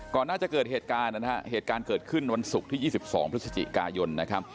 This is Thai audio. น่าจะเกิดเหตุการณ์นะฮะเหตุการณ์เกิดขึ้นวันศุกร์ที่๒๒พฤศจิกายนนะครับ